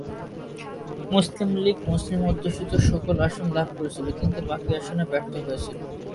মুসলিম লীগ মুসলিম অধ্যুষিত সকল আসন লাভ করেছিল কিন্তু বাকী আসনে ব্যর্থ হয়েছিল।